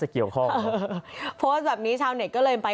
เกี่ยวข้องโพสต์แบบนี้ชาวเน็ตก็เลยไป